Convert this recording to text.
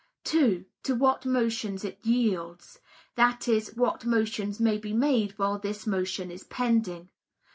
(2) To what motions it yields (that is, what motions may be made while this motion is pending).